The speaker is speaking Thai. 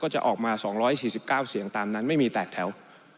ก็จะออกมา๒๔๙เสียงไม่มีแตกแถว